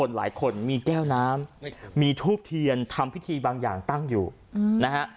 หลายคนมีแก้วน้ำมีทูบเทียนทำพิธีบางอย่างตั้งอยู่นะฮะ